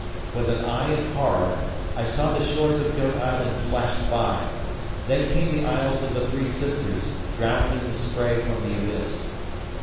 With an eye of horror, I saw the shores of Goat Island flashed by, then came the Isles of the Three Sisters, drowned in the spray from the abyss.